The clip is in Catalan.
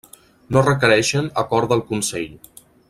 No requereixen acord del Consell.